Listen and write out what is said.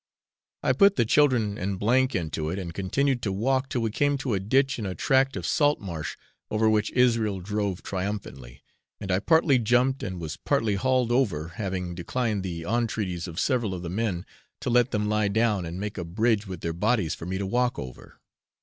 I put the children and M into it, and continued to walk till we came to a ditch in a tract of salt marsh, over which Israel drove triumphantly, and I partly jumped and was partly hauled over, having declined the entreaties of several of the men to let them lie down and make a bridge with their bodies for me to walk over.